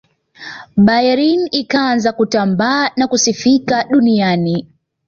bayern ikaanza kutamba na kusifika duniani